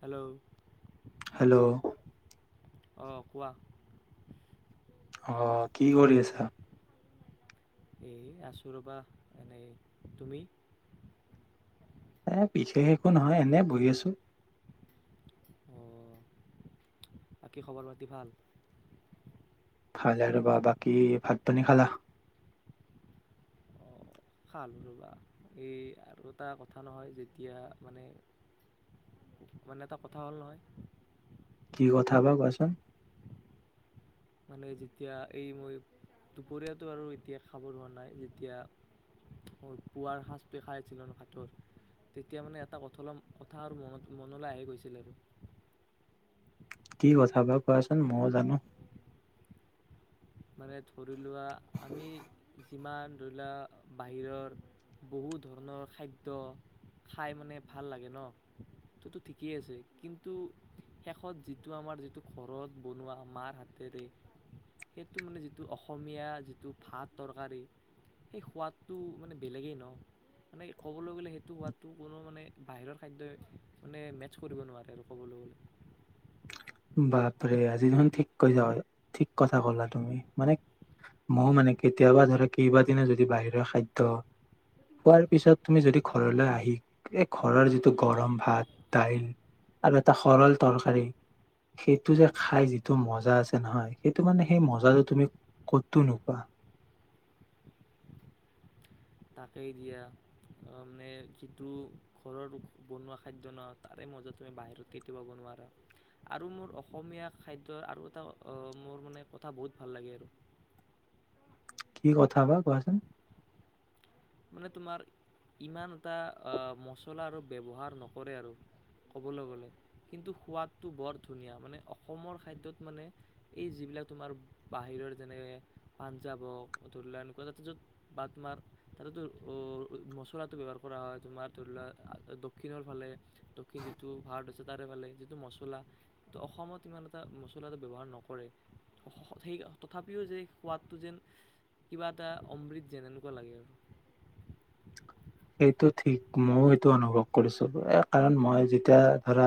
Hello hello অঁ কোৱা আহ কি কৰি আছা এ আছোঁ ৰ'বা এনেই তুমি এ বিশেষ একো নহয় এনে বহি আছো অঁ বাকী খবৰ পাতি ভাল খালে আৰু বা বাকী ভাত পানী খালা খাল ৰ'বা এই আৰু এটা কথা নহয় যেতিয়া মানে মানে এটা কথা হ'ল নহয়। কি কথা বা কোৱাচোন। মানে যেতিয়া এই মই দুপৰীয়াটো আৰু এতিয়া খাব হোৱা নাই যেতিয়া ম পুৱাৰ সাজটো খাইছিলো হাতৰ তেতিয়া মানে এটা কঠ কথা আৰু মনত মনলৈ আহে গৈছিল আৰু। কি কথা বা কোৱাচোন ময়ো জানো। মানে ধৰি লোৱা আমি যিমান ধৰি লোৱা বাহিৰৰ বহু ধৰণৰ খাদ্য খাই মানে ভাল লাগে ন' ত'তো ঠিকেই আছে কিন্তু শেষত যিটো আমাৰ যিটো ঘৰত বনোৱা মাৰ হাতেৰে সেইটো মানে যিটো অসমীয়া যিটো ভাত তৰকাৰী সেই সোৱাদটো মানে বেলেগেই ন' মানে ক'বলৈ গ'লে সেইটো সোৱাদটো কোনো মানে বাহিৰৰ খাদ্যই মানে মেটচ কৰিব নোৱাৰে আৰু ক'বলৈ গ'লে। বাপৰে আজি দেখোন ঠিক কৈ যা ঠিক কথা ক'লা তুমি মানে ময় মানে কেতিয়াবা ধৰা কেইবাদি যদি বাহিৰৰে খাদ্য খোৱাৰ পিছত তুমি যদি ঘৰলৈ আহি এই ঘৰৰ যিটো গৰম ভাত দাইল আৰু এটা সৰল তৰকাৰী সেইটো যে খাই যিটো মজা আছে নহয় সেইটো মানে সেই মজাটো তুমি ক'তো নোপোৱা। তাকেই দিয়া মানে যিটো ঘৰৰ বনোৱা খাদ্য ন' তাৰে মজা তুমি বাহিৰত কেতিয়াবা বনোৱাৰা আৰু মোৰ অসমীয়া খাদ্যৰ আৰু এটা মোৰ মানে কথা বহুত ভাল লাগে আৰু কি কথা বা কোৱাচোন। মানে তোমাৰ ইমান এটা মচলা আৰু ব্যৱহাৰ নকৰে আৰু ক'বলৈ গ'লে কিন্তু সোৱাদটো বৰ ধুনীয়া মানে অসমৰ খাদ্যত মানে এই যিবিলাক তোমাৰ বাহিৰৰ যেনেক পাঞ্জাৱ হওঁক ধৰি লোৱাক এনেকুৱা যাতে য'ত বা তোমাৰ তাতেটো মছলাটো ব্যৱহাৰ কৰা হয় তোমাৰ ধৰি লোৱা দক্ষিণৰ ফালে দক্ষিণ যিটো ভাৰত আছে তাৰে ফালে যিটো মছলা তো অসমত ইমান এটা মছলা এটা ব্যৱহাৰ নকৰে সেই তথাপিও যে সোৱাদটো যেন কিবা এটা অমৃত যেন এনেকুৱা লাগে আৰু। সেইটো ঠিক ময়ো সেইটো অনুভৱ কৰিছো কাৰণ মই যেতিয়া ধৰা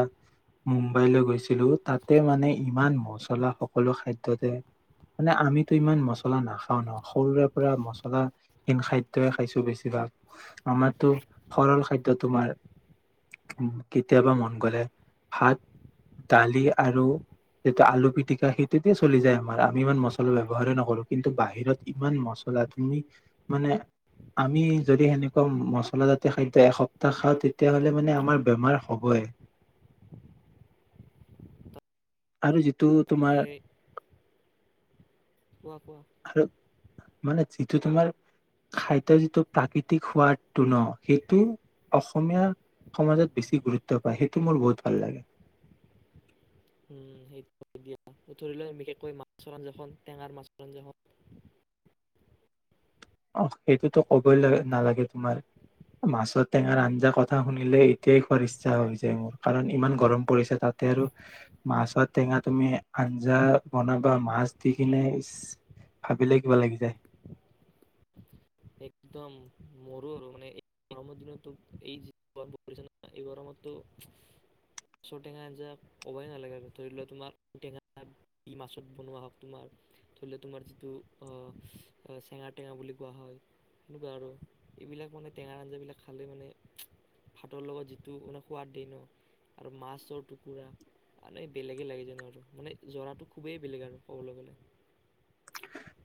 মুম্বাইলৈ গৈছিলো তাতে মানে ইমান মচলা সকলো খাদ্যতে মানে আমিতো ইমান মছলা নাখাওঁ ন' সৰুৰে পৰা মছলা হিন খাদ্যই খাইছো বেছিভাগ। আমাৰতো সৰল খাদ্য তোমাৰ কেতিয়াবা মন গ'লে ভাত, দালি আৰু যিটো আলু পিটিকা সেইটোতে চলি যায় আমাৰ। আমি ইমান মছলা ব্যৱহাৰেই নকৰো। কিন্তু বাহিৰত ইমান মচলা তুমি মানে আমি যদি সেনে কে মছলাজাতীয় খাদ্য এসপ্তাহ খাওঁ তেতিয়াহলে মানে আমাৰ বেমাৰ হ'বই। আৰু যিটো তোমাৰ কোৱা, কোৱা আৰু মানে যিটো তোমাৰ খাদ্য যিটো প্ৰাকৃতি ক সোৱাদটো ন সেইটো অসমীয়া সমাজত বেছি গুৰুত্ব পায়। সেইটো মোৰ বহুত ভাল লাগে। উম সেইটো দিয়া উ ধৰি ল বিশেষকৈ মাছৰ আঞ্জা খন টেঙাৰ মাছৰ আঞ্জাখন অ সেইটোতো কবই লাগ নালাগে। তোমাৰ মাছৰ টেঙাৰ আঞ্জা কথা শুনিলে এতিয়াই খোৱাৰ ইচ্ছা হৈ যায় মোৰ কাৰণ ইমান গৰম পৰিছে তাতে আৰু মাছৰ টেঙা তুমি আঞ্জা বনাবা মাছ দি কিনে ভাবিলে কিবা লাগি যায়। একদম মৰু আৰু মানে এই গৰমৰ দিনতো এই যি গৰম পৰিছে ন এই গৰমতো মাছৰ টেঙা আঞ্জা ক'বই নালাগে আৰু ধৰি লোৱা তোমাৰ টেঙা মাছত বনোৱা হওক তোমাৰ ধৰি লোৱা তোমাৰ যিটো চেঙাৰ টেঙা বুলি কোৱা হয় সনেকুৱা আৰু এইবিলাক মানে টেঙাৰ আঞ্জাবিলাক খালে মানে ভাতৰ লগত যিটো মানে সোৱাদেই ন আৰু মাছৰ টুকুৰা মানে বেলেগেই লাগে জানো আৰু মানে জৰাটো খুবেই বেলেগ আৰু ক'বলৈ গ'লে।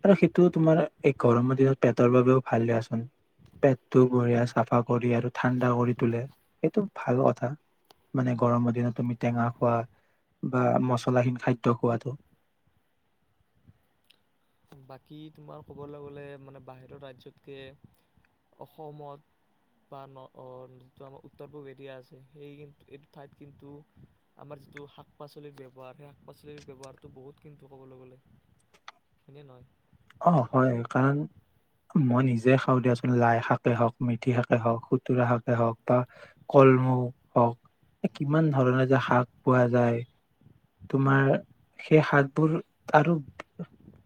আৰু সেইটো তোমাৰ এই গৰমৰ দিনত পেটৰ বাবেও ভাল দিয়চোন। পেটটো বঢ়িয়া চাফা কৰি আৰু ঠাণ্ডা কৰি তলে সেইটো ভাল কথা মানে গৰমৰ দিনত তুমি টেঙা খোৱা বা মচলাহীন খাদ্যয় খোৱাতটো। বাকী তোমাৰ ক'বলৈ গ'লে মানে বাহিৰৰ ৰাজ্যতকৈ অসমত বা যিটো আমাৰ উত্তৰ পূব এৰিয়া আছে সেই এইটো ঠাইত কিন্তু আমাৰ যিটো শাক পাচলিৰ ব্যৱহাৰ সেই শাক পাচলিৰ ব্যৱহাৰটো বহুত কিন্তু ক'বলৈ গ'লে। এনে নহয় অ হয় কাৰণ মই নিজে খাওঁ দিয়চোন লাই শাকে হওক, মিথি শাকে হওক, খুতুৰা শাকে হওক বা কলমৌ হওক কিমান ধৰণৰ যে শাক পোৱা যায়। তোমাৰ সেই শাকবোৰ আৰু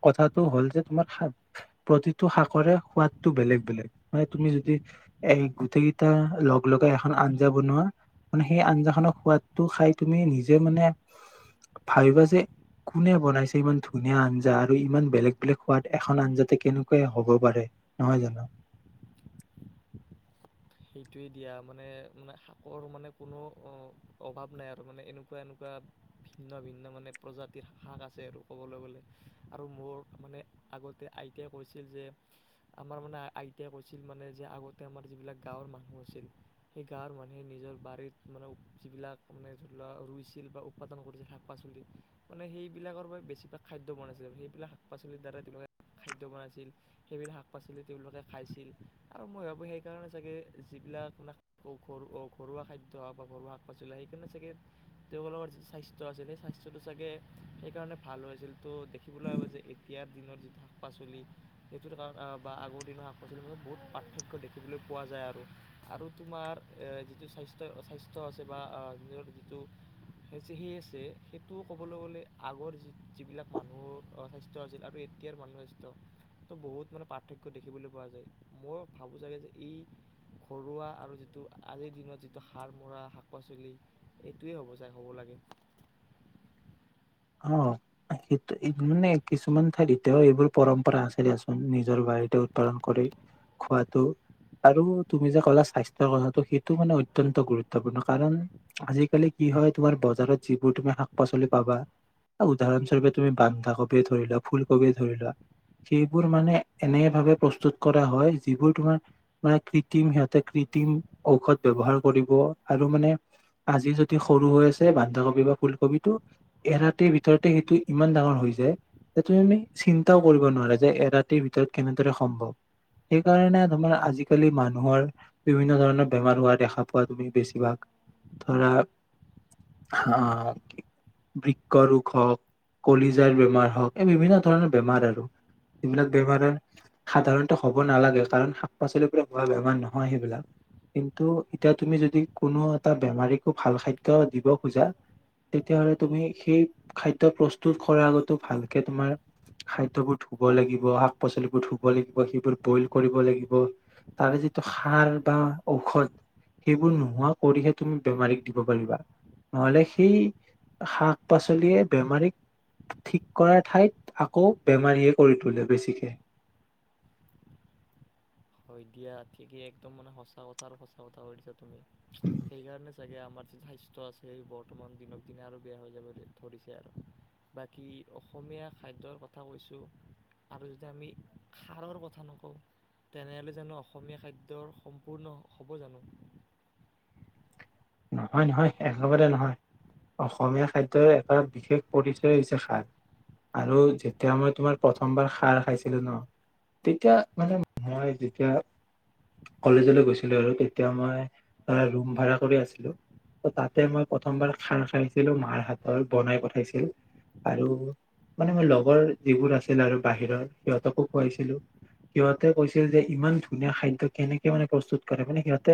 কথাটো হ'ল যে তোমাৰ শাক প্ৰতিটো শাকৰে সোৱাদটো বেলেগ বেলেগ মানে তুমি যদি এ গোটেই কেইটা লগ লগাই এখন আঞ্জা বনোৱা মানে সেই আঞ্জা খনৰ সোৱাদটো খাই তুমি নিজে মানে ভাবিবা যে কোনে বনাইছে ইমান ধুনীয়া আঞ্জা আৰু ইমান বেলেগ বেলেগ সোৱাদ এখন আঞ্জাতে কেনেকুৱাই হ'ব পাৰে নহয় জানো? সেইটোৱে দিয়া মানে মানে শাকৰ মানে কোনো অভাৱ নাই আৰু মানে এনেকুৱা এনেকুৱা ভিন্ন ভিন্ন মানে প্ৰজাতিৰ শাক আছে আৰু ক'বলৈ গ'লে আৰু মোৰ মানে আগতে আইতাই কৈছিল যে আমাৰ মানে আইতাই কৈছিল মানে যে আগতে আমাৰ যিবিলাক গাঁৱৰ মানুহ আছিল সেই গাঁৱৰ মানুহে নিজৰ বাৰীত মানে যিবিলাক মানে ধৰি লোৱা ৰুইছিল বা উৎপাদন কৰিছিল শাক পাচলি মানে সেইবিলাকৰ বাবে বেছিভাগ খাদ্য বনাইছিল সেইবিলাক শাক পাচলিৰ দ্বাৰা তেওঁলোকে খাদ্য বনাইছিল সেইবিলাক শাক পাচলি তেওঁলোকে খাইছিল আৰু মই ভাবোঁ সেইকাৰণে চাগে যিবিলাক মানে ঘৰুৱা খাদ্য হওক বা ঘৰুৱা শাক পাচলি সেইকাৰণে চাগে তেওঁলোকৰ যি স্বাস্থ্য আছিল সেই স্বাস্থ্যটো চাগে সেইকাৰণে ভাল হৈ আছিল ত' দেখিবলৈ পাব যে এতিয়াৰ দিনৰ যিটো শাক পাচলি সেইটোৰ কাৰ বা আগৰ দিনৰ শাক পাচলিৰ মত বহুত পাৰ্থক্য দেখিবলৈ পোৱা যায় আৰু আৰু তোমাৰ যিটো স্বাস্থ্য স্বাস্থ্য আছে বা নিজৰ যিটো হে চি সেই আছে সেইটো ক'বলৈ গ'লে আগৰ যি যিবিলাক মানুহৰ স্বাস্থ্য আছিল আৰু এতিয়াৰ মানুহৰ স্বাস্থ্য তো বহুত মানে পাৰ্থক্য দেখিবলৈ পোৱা যায় মই ভাবোঁ চাগৈ যে ই ঘৰুৱা আৰু যিটো আজিৰ দিনত যিটো সাৰ মৰা শাক পাচলি এইটোৱেই হ'ব য হ'ব লাগে অ সেইটো মানে কিছুমান ঠাইত এতিয়াও এইবোৰ পৰম্পৰা আছে দিয়াচোন। নিজৰ বাৰীতে উৎপাদন কৰি খোৱাটো। আৰু তুমি যে কলা স্বাস্থ্য কথাটো সেইটো মানে অত্যন্ত গুৰুত্বপূৰ্ণ কাৰণ আজিকালি কি হয় তোমাৰ বজাৰত যিবোৰ তুমি শাক পাচলি পাবা উদাহৰণস্বৰূপে তুমি বন্ধাকবিয়ে ধৰি লোৱা, ফুলকবিয়ে ধৰি লোৱা সেইবোৰ মানে এনে ভাবেে প্ৰস্তুত কৰা হয় যিবোৰ তোমাৰ মানে কৃত্ৰিম সিহঁতে কৃত্ৰিম ঔষধ ব্যবহাৰ কৰিব আৰু মানে আজি যদি সৰু হৈ আছে বন্ধাকবি বা ফুলকবিটো এৰাতিৰ ভিতৰতে সেইটো ইমান ডাঙৰ হৈ যায় যে তুমি চিন্তাও কৰিব নোৱা যে এৰাতিৰ ভিতৰত কেনেদৰে সম্ভৱ সেইকাৰণে তোমাৰ আজিকালি মানুহৰ বিভিন্ন ধৰণৰ বেমাৰ হোৱা দেখা পোৱা তুমি বেছিভাগ ধৰা বৃক্ষ ৰোগ হওঁক, কলিজাৰ বেমাৰ হওঁক এই বিভিন্ন ধৰণৰ বেমাৰ আৰু যবিলাক বেমাৰৰ সাধাৰণতে হ'ব নালাগে কাৰণ শাক-পাচলিৰ পৰা হোৱা বেমাৰ নহয় সেইবিলাক কিন্তু এতিয়া তুমি যদি কোনো এটা বেমাৰীকো ভাল খাদ্য দিব খোজা তেতিয়াহ'লে তুমি সেই খাদ্য প্ৰস্তুত কৰাৰ আগতো ভালকে তোমাৰ খাদ্যবোৰ ধুব লাগিব শাক-পাচলিবোৰ ধুব লাগিব সেইবোৰ ব'ইল কৰিব লাগিব তাৰে যিটো সাৰ বা ঔষধ সেইবোৰ নোহোৱা কৰিহে তুমি বেমাৰীক দিব পাৰিবা নহ'লে সেই শাক-পাচলিয়ে বেমাৰীক ঠিক কৰা ঠাইত আকৌ বেমাৰীয়ে কৰি তোলে বেছিকে। হয় দিয়া ঠিকেই একদম মানে সঁচা কথা আৰু সঁচা কথা কছা তুমি সেইকাৰণে চাগে আমাৰ যিটো স্বাস্থ্য আছে সেই বৰ্তমান দিনক দিনে আৰু বেয়া হৈ যাব ধৰিছে আৰু বাকী অসমীয়া খাদ্যৰ কথা কৈছোঁ আৰু যদি আমি খাৰৰ কথা নকওঁ তেনেহ'লে জানো অসমীয়া খাদ্যৰ সম্পূৰ্ণ হ'ব জানো। নহয, নহয় একেবাৰে নহয় অসমীয়া খাদ্যৰ এটা বিশেষ পৰিচয় হৈছে খাৰ আৰু যেতিয়া মই তোমাৰ প্ৰথমবাৰ খাৰ খাইছিলো ন' তেতিয়া মানে মই যেতিয়া কলেজলৈ গৈছিলো আৰু তেতিয়া মই ধৰা ৰুম ভাড়া কৰি আছি তাতে মই প্ৰথমবাৰ খাৰ খাইছিলো মাৰ হাতৰ বনাই পঠাইছিল আৰু মানে মোৰ লগৰ যিবোৰ আছিল আৰু বাহিৰৰ সিহঁতকো খুৱাইছিলো সিহঁতে কৈছিল যে ইমান ধুনীয়া খাদ্য কেনেকে মানে প্ৰস্তুত কৰে মানে সিহঁতে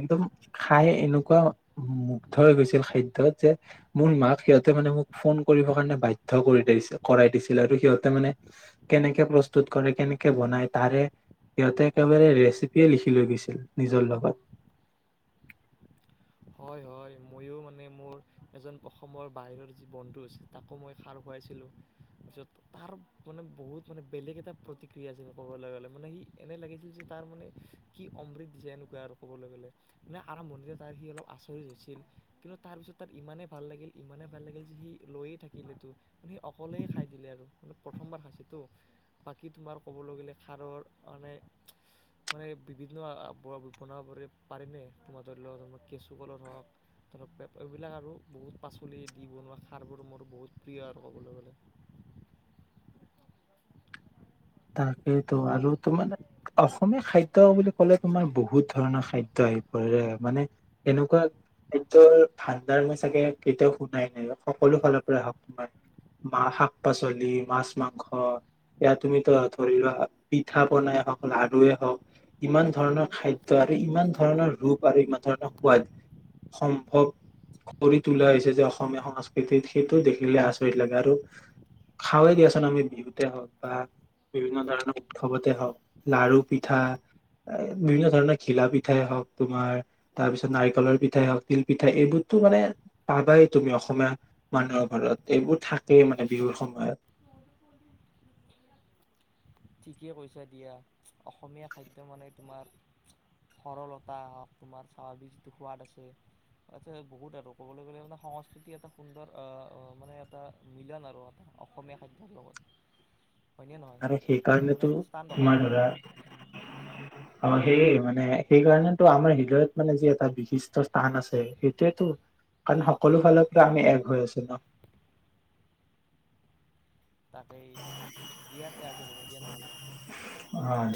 একদম খাই এনে এনেকুৱা মুগ্ধ হৈ গৈছিল খাদ্যত যে মোৰ মাক সিহঁতে মানে মোক ফোন কৰিব কাৰণে বাধ্য কৰি দিছিল কৰাই দিছিল আৰু সিহঁতে মানে কেনেকে প্ৰস্তুত কৰে কেনেকে বনাই তাৰে সিহঁতে একেবাৰে ৰেচিপিয়ে লিখি লৈ গৈছিল নিজৰ লগত। হয়, হয় ময়ো মানে মোৰ এজন অসমৰ বাহিৰৰ যি বন্ধু আছিল তাকো মই সাৰ খুৱাইছিলোঁ য'ত তাৰ মানে বহুত মানে বেলেগ এটা প্ৰতিক্ৰিয়া আছিল ক'বলৈ গ'লে মানে সি এনেই লাগিছিল যে তাৰ মানে কি অমৃত দিছে এনেকুৱা আৰু ক'বলৈ গ'লে মানে আৰম্ভণিতে তাৰ সি অলপ আচৰিত হৈছিল কিন্তু তাৰপিছত তাৰ ইমানেই ভাল লাগিল ইমানেই ভাল লাগিল যে সি লৈয়ে থাকিলেতো মানে সি অকলেই খাই দিলে আৰু মানে প্ৰথমবাৰ খাইছেতো বাকী তোমাৰ ক'বলৈ গ'লে খাৰৰ মানে মানে বিভিন্ন বনাবৰে পাৰেনে তোমাৰ ধৰি লত কেঁচু কলৰ হওঁক ধৰক এইবিলাক আৰু বহুত পাচলি দি বনোৱা খাৰবোৰ মোৰ বহুত প্ৰিয় আৰু ক'বলৈ গ'লে। তাকেইেতো আৰু তোমাৰ অসমীয়া খাদ্য বুলি ক'লে তোমাৰ বহুত ধৰণৰ খাদ্য আহি পৰেৰে মানে এনেকুৱা খাদ্যৰ ভাণ্ডাৰ মই চাগে কেতিয়াও শুনাই নাই সকলো ফালৰ পৰাই আহক তোমাৰ মা শাক'পাচলি, মাছ-মাংস ইয়া তুমি ধৰি লোৱা পিঠা পনাই হওক লাৰুৱে হওঁক ইমান ধৰণৰ খাদ্যয় আৰু ইমান ধৰণৰ ৰূপ আৰু ইমান ধৰণৰ সোৱাদ সম্ভৱ কৰি তোলা হৈছে যে অসমীয়া সংস্কৃতিত সেইটো দেখিলে আচৰিত লাগে আৰু খাৱেই দিয়াচোন আমি বিহুতে হওক বা বিভিন্ন ধৰণৰ উৎসৱতে হওক লাৰু পিঠা বিভিন্ন ধৰণৰ ঘিলা পিঠাই হওঁক তোমাৰ তাৰ পিছত নাৰিকলৰ পিঠাই হওঁক তিল পিঠা এইবোৰতো মানে পাবাই তুমি অসমীয়া মানুহৰ ঘৰত এইবোৰ থাকেই মানে বিহুৰ সময়ত ঠিকেই কৈছা দিয়া অসমীয়া খাদ্য মানে তোমাৰ সৰলতা হক তোমাৰ স্বাভাৱিক যিটো সোৱাদ আছে তছা বহুত আৰু ক'বলৈ গ'লে মানে সংস্কৃতি এটা সুন্দৰ মানে এটা মিলন আৰু এটা অসমীয়া খাদ্যৰ লগত হয়নে নহয়। মানে কাৰণটো এটা স্থান দখল আমাৰ কৰে ধৰা আৰু আ হে মানে সেইকাৰণেটো আমাৰ হৃদয়ত মানে যি এটা বিশিষ্ট স্থান আছে সেইটোৱেটো কাৰণ সকলো ফালৰ পৰা আমি এক হৈ আছো ন তাকেই দিয়াতে আজি হ'ব দিয়া নহ'লে অ